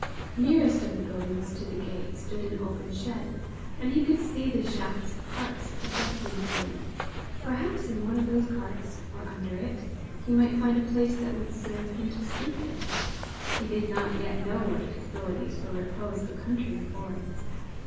Nearest of the buildings to the gate, stood an open shed, and he could see the shafts of carts projecting from it: perhaps in one of those carts, or under it, he might find a place that would serve him to sleep in: he did not yet know what facilities for repose the country affords.